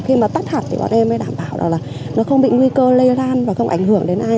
khi mà tắt hạt thì bọn em mới đảm bảo là nó không bị nguy cơ lây lan và không ảnh hưởng đến ai